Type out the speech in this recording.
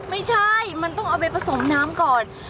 ไม่ใช่มันต้องเอาไปผสมน้ำก่อน